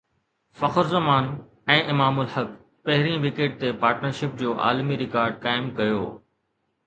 فخر زمان ۽ امام الحق پهرين وڪيٽ تي پارٽنرشپ جو عالمي رڪارڊ قائم ڪيو